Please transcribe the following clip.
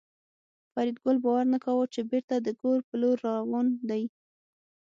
فریدګل باور نه کاوه چې بېرته د کور په لور روان دی